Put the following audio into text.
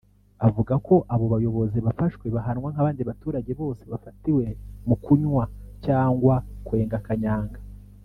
avuga ko iyo abo bayobozi bafashwe bahanwa nk’abandi baturage bose bafatiwe mu kunywa cyangwa kwenga Kanyanga